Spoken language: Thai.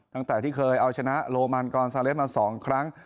ตั้งแต่ที่เคยเอาชนะโลมันกรซาเลสมา๒ครั้ง